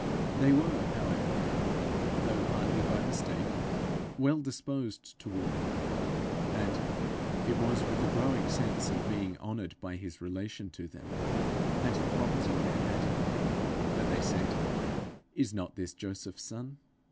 They were, however, though partly by mistake, well disposed toward him, and it was with a growing sense of being honoured by his relation to them, and the property they had in him, that they said, 'Is not this Joseph's son?'